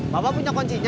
bapak punya kontraknya